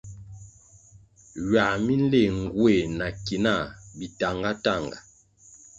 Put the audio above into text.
Ywăh mi nléh nguéh na ki nah bitahngatanhga.